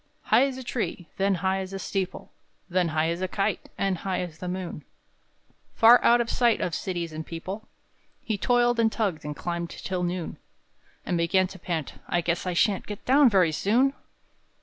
_" High as a tree, then high as a steeple, Then high as a kite, and high as the moon, Far out of sight of cities and people, He toiled and tugged and climbed till noon; And began to pant: "I guess I shan't Get down very soon!"